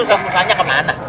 ustadz musanya kemana